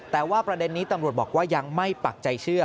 แต่ว่าประเด็นนี้ตำรวจบอกว่ายังไม่ปักใจเชื่อ